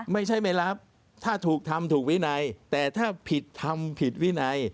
ไม่ใช่ไม่รับถ้าถูกทำถูกวินัยแต่ถ้าผิดทำผิดวินัย